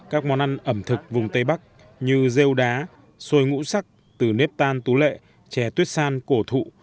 các món ăn ẩm thực vùng tây bắc như rêu đá xôi ngũ sắc từ nếp tan tú lệ chè tuyết san cổ thụ